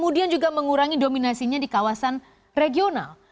dan juga mengurangi dominasinya di kawasan regional